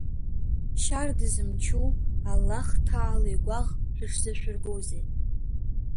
Шьарда зымчу Аллахҭаала игуаӷ шәыҽзашәыргозеи?